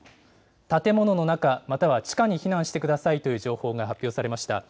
建物の中、または地下に避難してくださいという情報が発表されました。